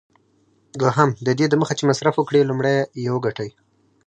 دوهم: ددې دمخه چي مصرف وکړې، لومړی یې وګټه.